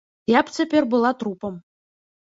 Я б цяпер была трупам.